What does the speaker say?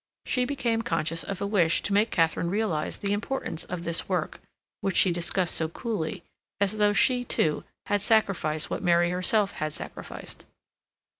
She became conscious of a wish to make Katharine realize the importance of this work, which she discussed so coolly, as though she, too, had sacrificed what Mary herself had sacrificed.